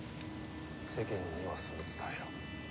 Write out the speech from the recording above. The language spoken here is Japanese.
世間にはそう伝えろ。